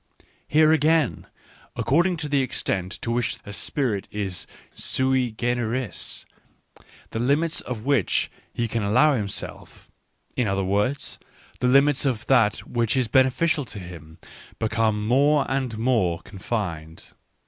Here, again, according to the extent to which a spirit is sui generis, the limits of that which he can allow himself — in other words, the limits of that which is beneficial to him — become more and more confined.